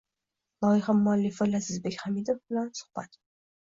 Loyiha muallifi Lazizbek Hamidov bilan suhbat